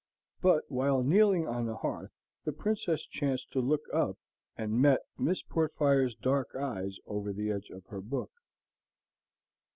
But while kneeling on the hearth the Princess chanced to look up and met Miss Portfire's dark eyes over the edge of her book.